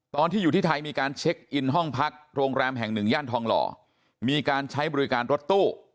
ตอนที่อยู่ที่ไทยมีการเช็คอินห้องพักโรงแรมแห่งหนึ่งย่านทองหล่อมีการใช้บริการรถตู้